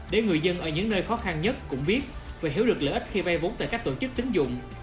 để người dân ở những nơi khó khăn nhất cũng biết và hiểu được lợi ích khi bay vốn tại các tổ chức tính dụng